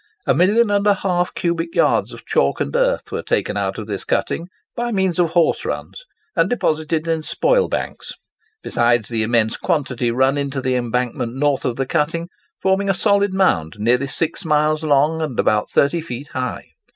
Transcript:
A million and a half cubic yards of chalk and earth were taken out of this cutting by means of horse runs and deposited in spoil banks; besides the immense quantity run into the embankment north of the cutting, forming a solid mound nearly 6 miles long and about 30 feet high.